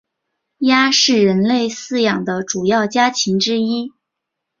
鸭是人类饲养的主要家禽之一。